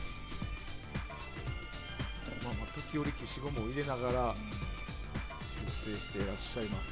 時折、消しゴムを入れながら修正してらっしゃいますね。